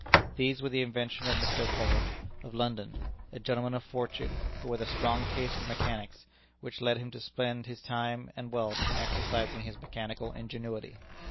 These were the invention of Mr. Appold, of London, a gentleman of fortune, but with a strong taste for mechanics, which led him to spend his time and wealth in exercising his mechanical ingenuity.